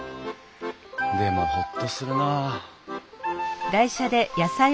でもホッとするなあ。